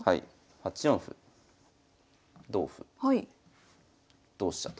８四歩同歩同飛車と。